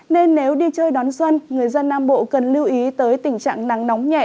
nên nếu đi chơi đón xuân người dân nam bộ cần lưu ý tới tình trạng nắng nóng nhẹ